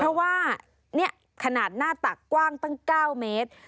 เพราะว่านี่ขนาดหน้าตักกว้างตั้ง๙เมตร